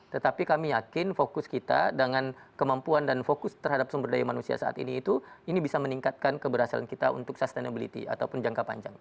tetapi kami yakin fokus kita dengan kemampuan dan fokus terhadap sumber daya manusia saat ini itu ini bisa meningkatkan keberhasilan kita untuk sustainability ataupun jangka panjang